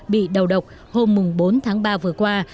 bị đầu độc hôm bốn tháng ba vừa qua